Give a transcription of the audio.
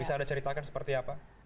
bisa anda ceritakan seperti apa